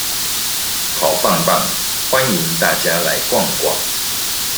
好棒棒，歡迎大家來逛逛